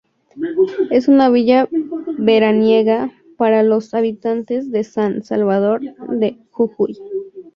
Es una villa veraniega para los habitantes de San Salvador de Jujuy.